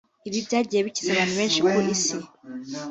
Ibi byagiye bikiza abantu benshi ku isi